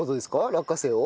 落花生を。